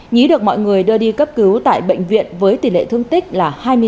nhí được mọi người đưa đi cấp cứu tại bệnh viện với tỷ lệ thương tích là hai mươi sáu